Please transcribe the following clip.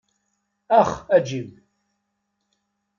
Ax a Jim.